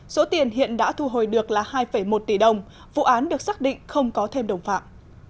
số tiền hiện đã thu hồi được là hai một tỷ đồng vụ án được xác định không có thêm đồng phạm